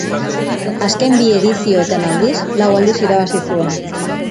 Azken bi edizioetan, aldiz, lau aldiz irabazi zuen.